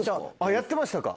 やってました。